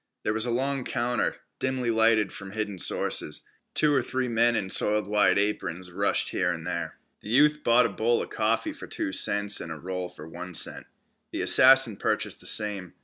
There was a long counter, dimly lighted from hidden sources. Two or three men in soiled white aprons rushed here and there. The youth bought a bowl of coffee for two cents and a roll for one cent. The assassin purchased the same.